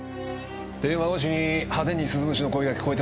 電話越しに派手に鈴虫の声が聞こえてましたよ。